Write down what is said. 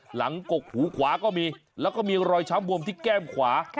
กกหูขวาก็มีแล้วก็มีรอยช้ำบวมที่แก้มขวา